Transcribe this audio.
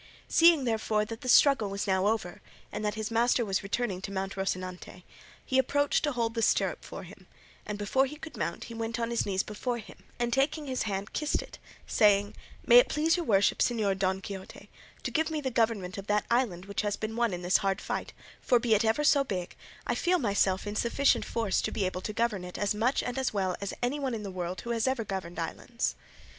Seeing, therefore, that the struggle was now over, and that his master was returning to mount Rocinante, he approached to hold the stirrup for him, and, before he could mount, he went on his knees before him, and taking his hand, kissed it saying, "May it please your worship, Señor Don Quixote, to give me the government of that island which has been won in this hard fight, for be it ever so big I feel myself in sufficient force to be able to govern it as much and as well as anyone in the world who has ever governed islands."